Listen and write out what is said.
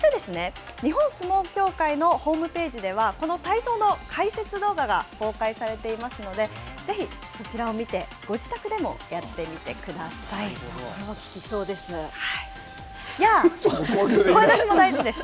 そしてですね、日本相撲協会のホームページでは、この体操の解説動画が公開されていますので、ぜひこちらを見て、ご自宅でもやっ効きそうです。